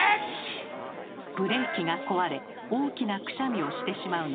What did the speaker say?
ブレーキが壊れ大きなくしゃみをしてしまうのです。